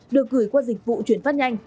được gửi qua dịch vụ chuyển phát nhanh